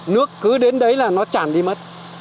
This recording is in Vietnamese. nước cứ đến đấy là nó chản đi mất